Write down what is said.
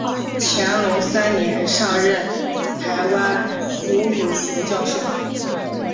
乾隆三年上任台湾府儒学教授。